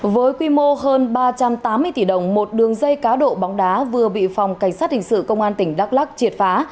với quy mô hơn ba trăm tám mươi tỷ đồng một đường dây cá độ bóng đá vừa bị phòng cảnh sát hình sự công an tỉnh đắk lắc triệt phá